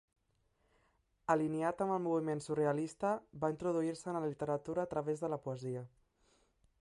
Alineat amb el moviment surrealista va introduir-se en la literatura a través de la poesia.